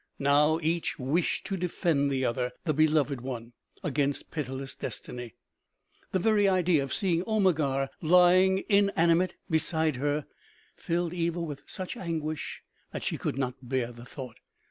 Now each wished to defend the other, the beloved one, against pitiless destiny. The very idea of seeing Omegar lying inanimate beside her, filled Kva with such anguish that she could not bear the thought.